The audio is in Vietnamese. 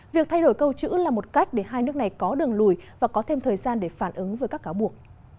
việc thay đổi câu chữ là một cách để hai nước này có đường lùi và có thêm thời gian để phản ứng với các cáo buộc